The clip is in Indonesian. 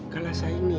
kalah saya ini